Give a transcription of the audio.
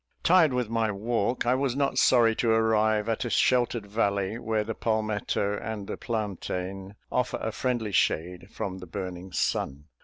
Tired with my walk, I was not sorry to arrive at a sheltered valley, where the palmetto and the plantain offer a friendly shade from the burning sun.